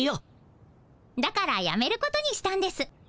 だからやめることにしたんです。